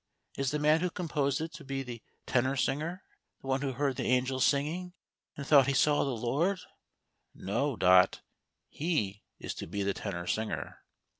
Is the man who composed it to be the tenor singer — the one who heard the angels singing, and thought he saw the Lord ?"" No, Dot: he is to be the tenor singer."